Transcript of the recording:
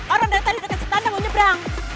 orang dari tadi deket setan namun nyebrang